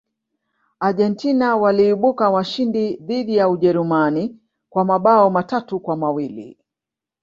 argentina waliibuka washindi dhidi ya ujerumani kwa mabao matatu kwa mawili